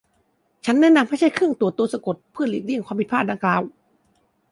ฉันแนะนำให้ใช้เครื่องตรวจตัวสะกดเพื่อหลีกเลี่ยงความผิดพลาดดังกล่าว